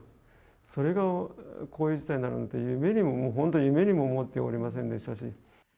それがこういう事態になるなんて、夢にも、本当に夢にも思っておりませんでしたし。